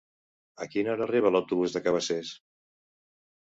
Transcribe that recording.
A quina hora arriba l'autobús de Cabacés?